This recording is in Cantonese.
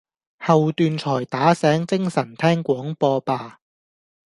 後段才打醒精神聽廣播吧！